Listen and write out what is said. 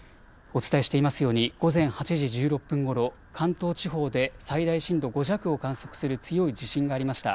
お伝えしていますように午前８時１６分ごろ、関東地方で最大震度５弱を観測する強い地震がありました。